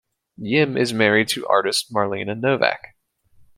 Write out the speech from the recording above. Yim is married to artist Marlena Novak.